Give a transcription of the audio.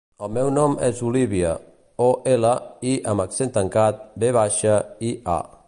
El meu nom és Olívia: o, ela, i amb accent tancat, ve baixa, i, a.